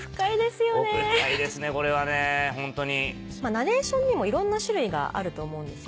ナレーションにもいろんな種類があると思うんですよね。